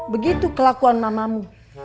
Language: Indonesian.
begitu kelakuan mamamu